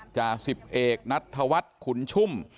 จาก๑๐เอกนัฐวัฒน์ขุนชุ่ม